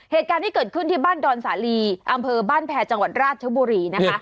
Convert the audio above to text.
เหตุการณ์ที่เกิดขึ้นที่บ้านดอนสาลีอำเภอบ้านแพรจังหวัดราชบุรีนะคะ